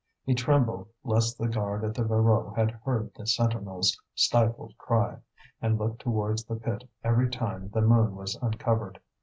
He trembled lest the guard at the Voreux had heard the sentinel's stifled cry, and looked towards the pit every time the moon was uncovered.